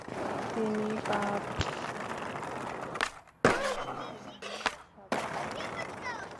তিনি পাদ-মা-'ওদ নামক স্থানে গুহায় সাধনা করতে যান।